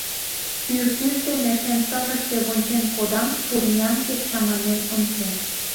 Пӱртӱс дене шем шыжышке вончен Кодам турням кеч чаманен ончен.